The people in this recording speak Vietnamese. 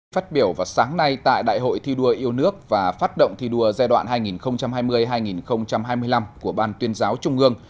phát biểu vào sáng nay tại đại hội thi đua yêu nước và phát động thi đua giai đoạn hai nghìn hai mươi hai nghìn hai mươi năm của ban tuyên giáo trung ương